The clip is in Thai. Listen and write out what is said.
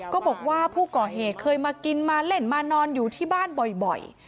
ก็บอกว่าผู้ก่อเหตุเคยมากินมาเล่นมานอนอยู่ที่บ้านบ่อย